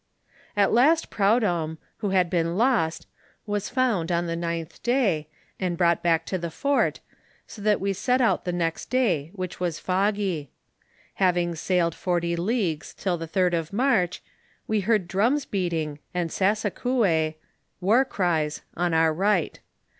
At last Prudhomme, who had been lost, was found on the ninth day, and brought back to the fort, so that we set out the next day, which was foggy. Having sailed forty leagues till the third of March, we heard drums beating and sasa couest (war cries) on our right.